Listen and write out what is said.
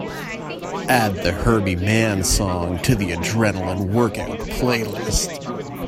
Add the Herbie Mann song to the Adrenaline Workout playlist.